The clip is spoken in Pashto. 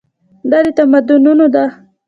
دا د تمدنونو ده.